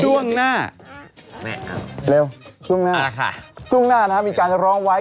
ช่วงหน้าเร็วช่วงหน้าค่ะช่วงหน้ามีการร้องไว้